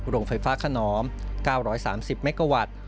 โรงไฟฟ้าขนอม๙๓๐เมกาวัตต์